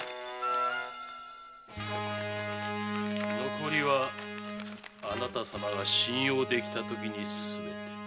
残りはあなた様が信用できたときにすべて。